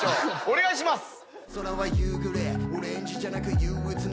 お願いします！